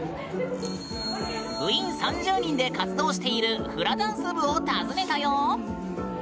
部員３０人で活動しているフラダンス部を訪ねたよ。